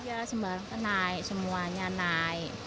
ya semua kenaik semuanya naik